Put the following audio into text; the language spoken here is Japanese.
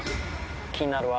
気になるわ。